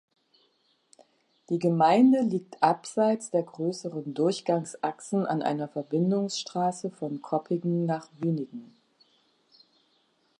Die Gemeinde liegt abseits der grösseren Durchgangsachsen an einer Verbindungsstrasse von Koppigen nach Wynigen.